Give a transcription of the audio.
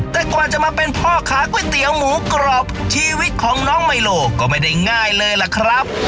แต่กว่าจะมาเป็นพ่อค้าก๋วยเตี๋ยวหมูกรอบชีวิตของน้องไมโลก็ไม่ได้ง่ายเลยล่ะครับ